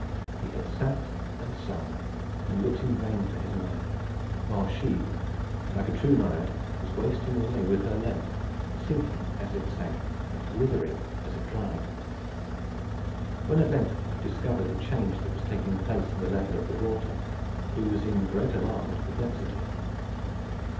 He had sat and sung, and looked in vain for his Nereid; while she, like a true Nereid, was wasting away with her lake, sinking as it sank, withering as it dried. When at length he discovered the change that was taking place in the level of the water, he was in great alarm and perplexity.